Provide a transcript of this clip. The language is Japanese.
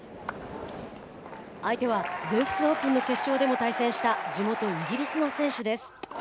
相手は全仏オープンの決勝でも対戦した地元イギリスの選手です。